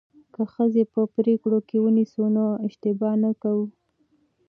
که ښځې په پریکړو کې ونیسو نو اشتباه نه کوو.